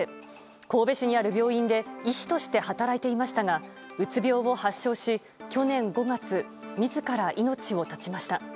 神戸市にある病院で医師として働いていましたがうつ病を発症し去年５月、自ら命を絶ちました。